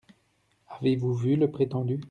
Avez-vous vu le prétendu ?